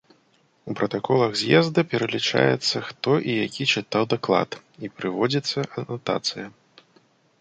У пратаколах з'езда пералічаецца, хто і які чытаў даклад, і прыводзіцца анатацыя.